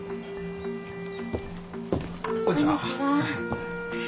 こんにちは。